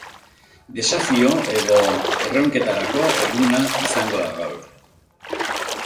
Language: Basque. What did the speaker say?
Desafio edo erronketarako eguna izango da gaur.